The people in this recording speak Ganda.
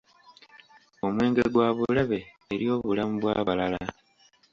Omwenge gwa bulabe eri obulamu bw'abalala.